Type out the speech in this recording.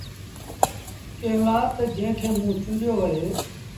ڪݩهݩ لآ تا جنٚهنٚ کي موٚنٚ چونڊيو اهي